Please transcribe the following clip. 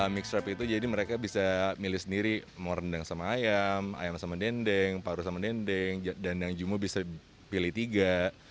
mixedrap itu jadi mereka bisa milih sendiri mau rendang sama ayam ayam sama dendeng paru sama dendeng dandeng jumu bisa pilih tiga